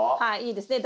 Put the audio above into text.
いいですね。